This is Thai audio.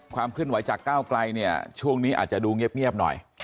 ความเคลื่อนไหวจากก้าวไกลเนี่ยช่วงนี้อาจจะดูเงียบหน่อย